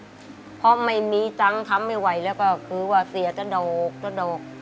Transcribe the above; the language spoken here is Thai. แล้วก็มาซื้อรถอิโก้เนี่ยเพราะไม่มีตังค์ทำไม่ไหวแล้วก็คือว่าเสียเจ้าโดกเจ้าโดก